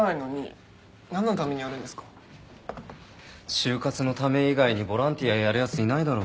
就活のため以外にボランティアやるやついないだろ。